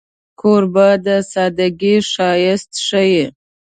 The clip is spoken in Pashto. کوربه د سادګۍ ښایست ښيي.